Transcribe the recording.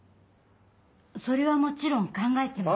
それはもちろん考えてます。